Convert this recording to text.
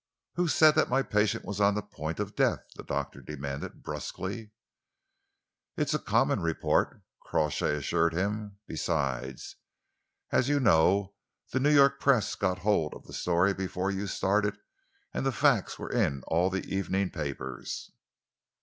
"Who said that my patient was on the point of death?" the doctor demanded brusquely. "It is common report," Crawshay assured him. "Besides, as you know, the New York press got hold of the story before you started, and the facts were in all the evening papers."